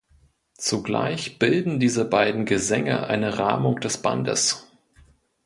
Zugleich bilden diese beiden Gesänge eine Rahmung des Bandes.